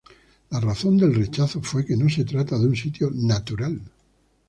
La razón del rechazo fue que no se trata de un sitio "natural".